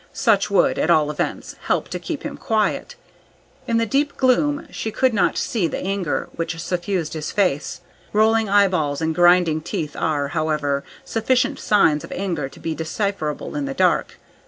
Such would, at all events, help to keep him quiet. In the deep gloom she could not see the anger which suffused his face. Rolling eyeballs and grinding teeth are, however, sufficient signs of anger to be decipherable in the dark.